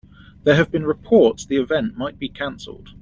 There have been reports the event might be canceled.